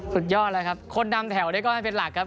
สุดยอดเลยครับคนนำแถวเรียกว่าเป็นหลักครับ